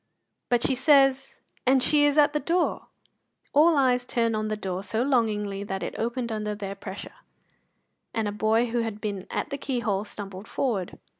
"But she says and she is at the door!" All eyes turned on the door so longingly that it opened under their pressure, and a boy who had been at the keyhole stumbled forward.